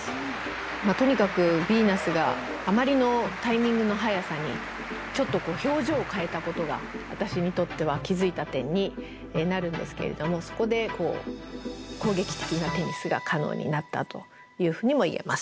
とにかくビーナスがあまりのタイミングの速さにちょっと表情を変えたことが私にとっては気付いた点になるんですけれどもそこで攻撃的なテニスが可能になったというふうにも言えます。